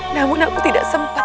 namun aku tidak sempat